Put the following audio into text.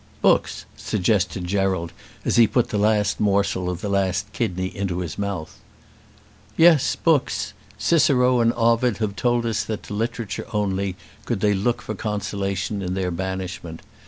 "Books," suggested Gerald, as he put the last morsel of the last kidney into his mouth. "Yes, books! Cicero and Ovid have told us that to literature only could they look for consolation in their banishment.